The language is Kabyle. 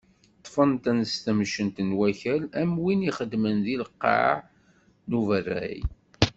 Ṭṭfen-ten s temcent n wakal am win i ixeddmen deg lqaε n uberray.